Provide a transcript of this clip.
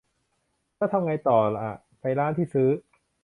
แล้วทำไงต่ออ่ะ ไปร้านที่ซื้อ ?